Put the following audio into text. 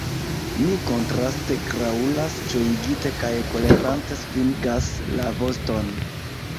Mi, kontraste, graŭlas ĝojigite kaj kolerante svingas la voston.